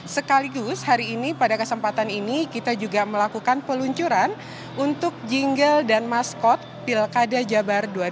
sekaligus hari ini pada kesempatan ini kita juga melakukan peluncuran untuk jingle dan maskot pilkada jabar dua ribu delapan belas